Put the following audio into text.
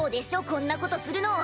こんなことするの！